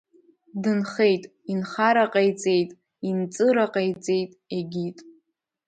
Дынхеит, инхара ҟаиҵеит, инҵыра ҟаиҵеит, егьит.